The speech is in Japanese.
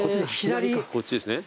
こっちですね。